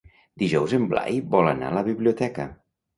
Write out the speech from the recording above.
Dijous en Blai vol anar a la biblioteca.